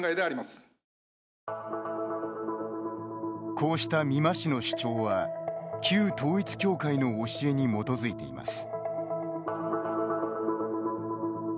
こうした美馬氏の主張は旧統一教会の教えに基づいています。